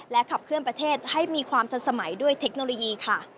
ขับเคลื่อนประเทศให้มีความทันสมัยด้วยเทคโนโลยีค่ะ